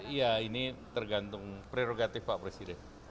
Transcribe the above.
iya ini tergantung prerogatif pak presiden